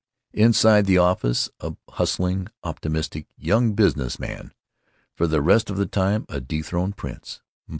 Inside the office—a hustling, optimistic young business man. For the rest of the time—a dethroned prince.